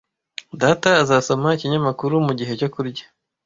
Data azasoma ikinyamakuru mugihe cyo kurya ..